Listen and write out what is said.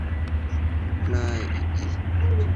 না, ইভি!